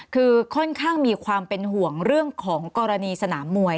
คือค่อนข้างมีความเป็นห่วงเรื่องของกรณีสนามมวย